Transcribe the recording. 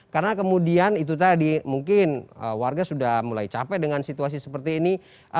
karena kemudian itu tadi mungkin warga sudah mulai capek dengan situasi seperti ini